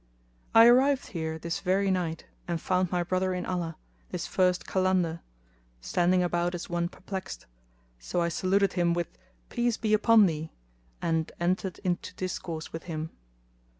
I arrived here this very night and found my brother in Allah, this first Kalandar, standing about as one perplexed; so I saluted him with "Peace be upon thee," and entered into discourse with him.